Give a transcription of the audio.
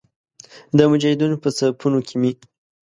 د مجاهدینو په صفونو کې مې.